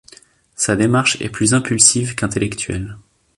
Sa démarche est plus impulsive qu'intellectuelle.